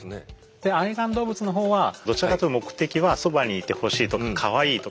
で愛玩動物のほうはどちらかというと目的はそばにいてほしいとかかわいいとか。